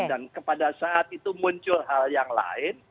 dan pada saat itu muncul hal yang lain